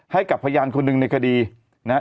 ให้กับพยานคนหนึ่งในคดีนะครับ